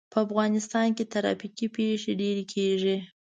په افغانستان کې ترافیکي پېښې ډېرې کېږي.